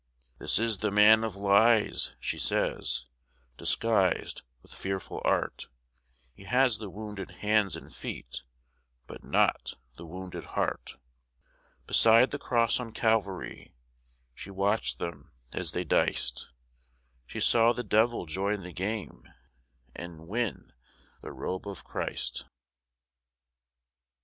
"This is the Man of Lies," she says, "Disguised with fearful art: He has the wounded hands and feet, But not the wounded heart." Beside the Cross on Calvary She watched them as they diced. She saw the Devil join the game And win the Robe of Christ.